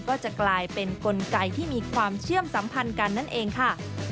ก็จะกลายเป็นกลไกที่มีความเชื่อมสัมพันธ์กันนั่นเองค่ะ